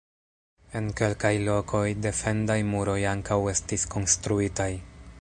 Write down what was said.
En kelkaj lokoj, defendaj muroj ankaŭ estis konstruitaj.